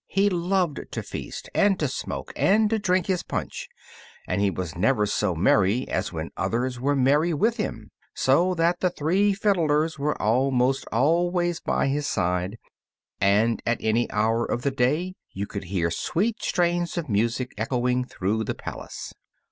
He loved to feast and to smoke and to drink his punch, and he was never so merry as when others were merry with him, so that the three fiddlers were almost always by his side, and at any hour of the day you could hear sweet strains of music echoing through the palace.